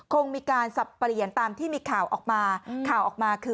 คงมีการศัพท์เปลี่ยนตามที่มีข่าวออกมา